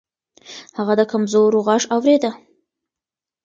هغه د کمزورو غږ اورېده.